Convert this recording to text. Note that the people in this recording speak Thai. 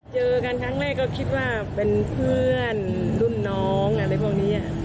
เจอกันครั้งแรกก็คิดว่าเป็นเพื่อนรุ่นน้องอะไรพวกนี้